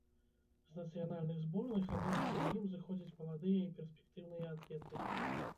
З нацыянальных зборных адзін за другім сыходзяць маладыя і перспектыўныя атлеты.